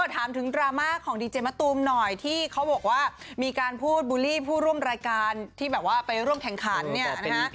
ถามถึงดราม่าของดีเจมะตูมหน่อยที่เขาบอกว่ามีการพูดบูลลี่ผู้ร่วมรายการที่แบบว่าไปร่วมแข่งขันเนี่ยนะฮะ